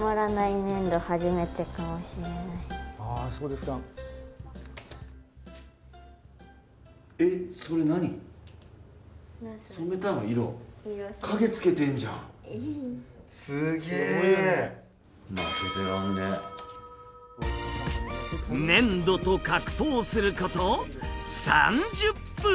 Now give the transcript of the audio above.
粘土と格闘すること３０分。